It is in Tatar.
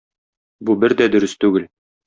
Бу бер дә дөрес түгел.